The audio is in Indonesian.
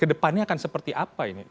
kedepannya akan seperti apa ini